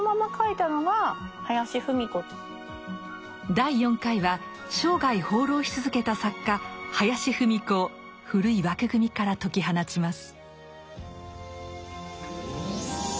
第４回は生涯放浪し続けた作家林芙美子を古い枠組みから解き放ちます。